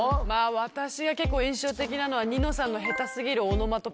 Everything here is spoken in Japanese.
私は結構印象的なのは「ニノさんの下手すぎるオノマトペ」。